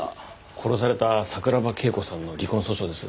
殺された桜庭恵子さんの離婚訴訟です。